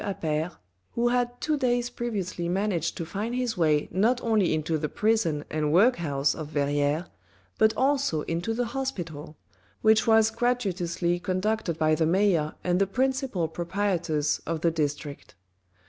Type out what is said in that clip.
Appert, who had two days previously managed to find his way not only into the prison and workhouse of Verrieres, but also into the hospital, which was gratuitously conducted by the mayor and the principal proprietors of the district.